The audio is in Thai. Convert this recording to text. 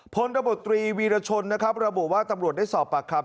พรตรีวีรชนระบบว่าตำรวจได้ศอดประคาบ